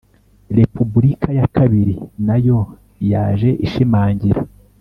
Repubulika ya kabiri nayo yaje ishimangira